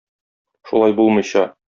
Шулай булмыйча!